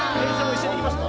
一緒に行きますか？